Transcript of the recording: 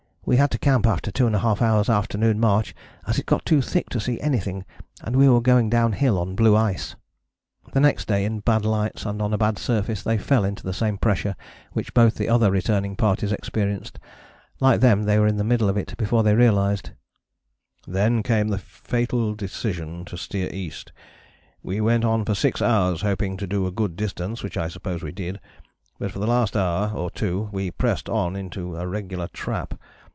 We had to camp after 2½ hours' afternoon march as it got too thick to see anything and we were going downhill on blue ice...." [Illustration: BUCKLEY ISLAND E. A. Wilson, del. Emery Walker Limited, Collotypers.] The next day in bad lights and on a bad surface they fell into the same pressure which both the other returning parties experienced. Like them they were in the middle of it before they realized. "Then came the fatal decision to steer east. We went on for 6 hours, hoping to do a good distance, which I suppose we did, but for the last hour or two we pressed on into a regular trap.